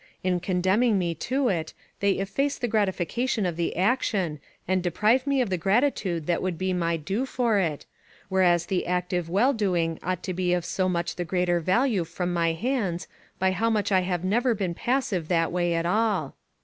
In condemning me to it, they efface the gratification of the action, and deprive me of the gratitude that would be my due for it; whereas the active well doing ought to be of so much the greater value from my hands, by how much I have never been passive that way at all.